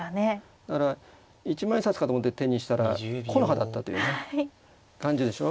だから一万円札かと思って手にしたら木の葉だったというね感じでしょ。